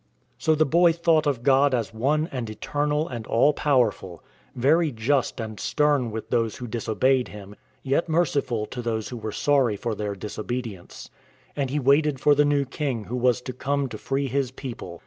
So the boy thought of God as One and Eternal and All Powerful, very just and stern with those who disobeyed Him ; yet merciful to those who were sorry for their disobedience. And he waited for the new King who was to come to free his people.